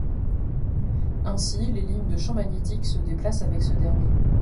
Ainsi, les lignes de champ magnétique se déplacent avec ce dernier.